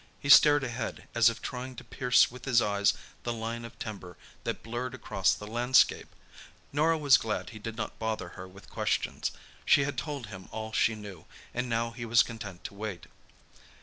He stared ahead, as if trying to pierce with his eyes the line of timber that blurred across the landscape. Norah was glad he did not bother her with questions. She had told him all she knew, and now he was content to wait.